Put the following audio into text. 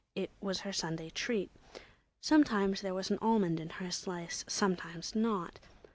It was her Sunday treat. Sometimes there was an almond in her slice, sometimes not.